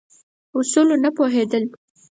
اصولو نه پوهېدل.